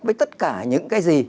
với tất cả những cái gì